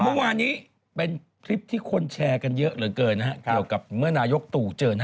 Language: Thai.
เมื่อวานนี้เป็นคลิปที่คนแชร์กันเยอะเหลือเกินนะฮะเกี่ยวกับเมื่อนายกตู่เจอนะ